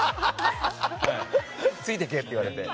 ついてけって言われて。